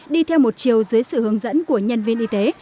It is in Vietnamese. đi theo một chiều dưới sự hướng dẫn của nhân viên y tế